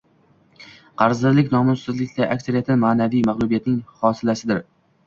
qadrsizlik, nomussizliklarning aksariyati ma’noviy mag’lubiyatning hosilasidir.